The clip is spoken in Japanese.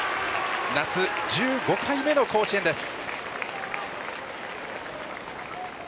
夏、１５回目の甲子園です。